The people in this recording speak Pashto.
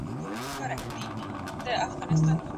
څېړونکی باید له کره کتني سره اشنا اوسي.